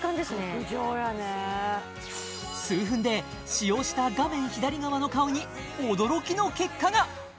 極上やね数分で使用した画面左側の顔に驚きの結果が！